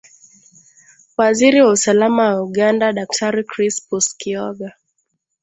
waziri wa usalama wa uganda daktari chris puskioga